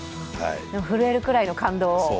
震えるくらいの感動？